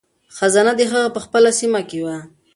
خزانه د هغه په خپله سیمه کې وه.